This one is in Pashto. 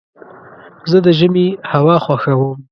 زه د ژمي هوا خوښوم.